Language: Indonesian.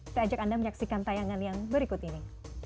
kita ajak anda menyaksikan tayangan yang berikut ini